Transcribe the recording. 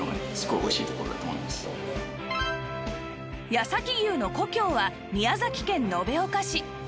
八崎牛の故郷は宮崎県延岡市